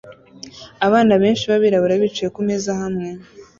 Abana benshi b'abirabura bicaye kumeza hamwe